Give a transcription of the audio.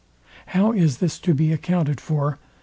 How is this to be accounted for?